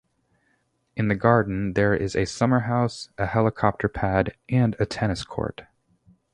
In the garden there is a summerhouse, a helicopter pad, and a tennis court.